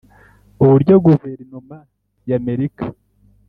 uburyo guverinoma y'Amerika